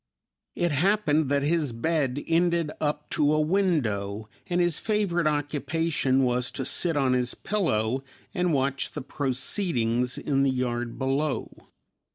It happened that his bed ended up to a window, and his favorite occupation was to sit on his pillow and watch the proceedings in the yard below.